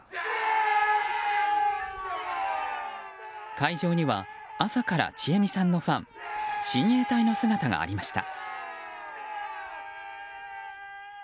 会場には、朝からちえみさんのファン親衛隊の姿がありました。